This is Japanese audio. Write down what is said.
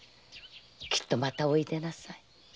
きっとまたおいでなさい。